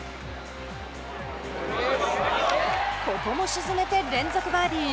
ここも沈めて連続バーディー。